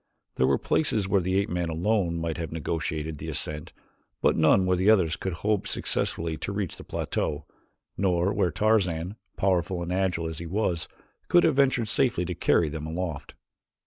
There were places where the ape man alone might have negotiated the ascent but none where the others could hope successfully to reach the plateau, nor where Tarzan, powerful and agile as he was, could have ventured safely to carry them aloft.